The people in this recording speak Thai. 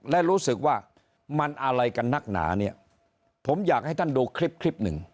และรู้สึกว่ามันอะไรกันนักหนาเนี่ยผมอยากให้ท่านดูคลิปคลิปหนึ่ง